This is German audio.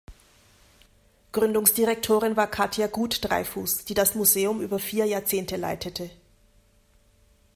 Gründungsdirektorin war Katia Guth-Dreyfus, die das Museum über vier Jahrzehnte leitete.